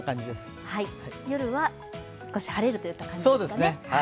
夜は少し晴れるといった感じですかね。